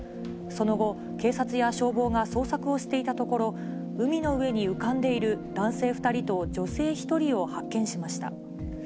その後、警察や消防が捜索をしていたところ、海の上に浮かんでいる男性２人と女性１人を発見しました。